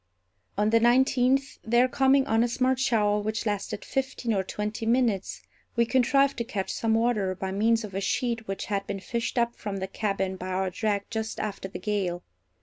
On the nineteenth, there coming on a smart shower which lasted fifteen or twenty minutes, we contrived to catch some water by means of a sheet which had been fished up from the cabin by our drag just after the gale.